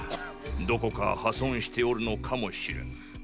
どこか破損しておるのかもしれン。